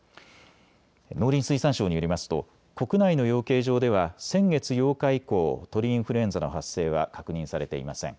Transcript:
農林水産省によりますと国内の養鶏場では先月８日以降、鳥インフルエンザの発生は確認されていません。